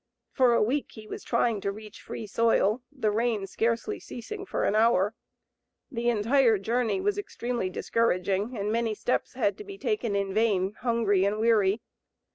For a week he was trying to reach free soil, the rain scarcely ceasing for an hour. The entire journey was extremely discouraging, and many steps had to be taken in vain, hungry and weary.